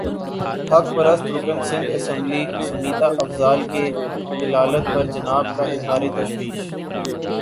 حق پرست رکن سندھ اسمبلی سمیتا افضال کی علالت پر جناب کا اظہار تشویش